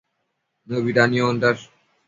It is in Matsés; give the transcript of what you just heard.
Nëbida niondash